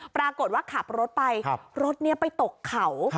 ปรากฏว่าขับรถไปรถนี้ไปตกเขา